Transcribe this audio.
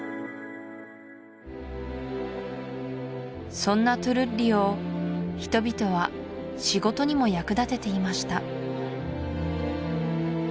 そんなトゥルッリを人々は仕事にも役立てていました